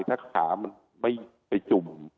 ถ้าขามันไม่ไปจุ่ม